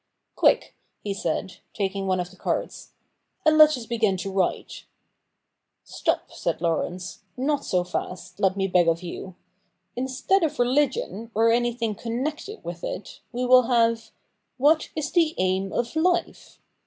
Quick,' he said, taking one of the cards, ' and let us begin to write.' ' Stop,' said Laurence ;' not so fast, let me beg of you. Instead of religion, or anything connected with it, we will have, ' What is the Aim of Life